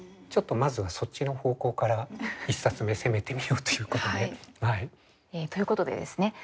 まずはそっちの方向から１冊目攻めてみようということで。ということでですね